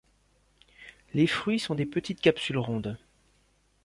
Les fruits sont des petites capsules rondes.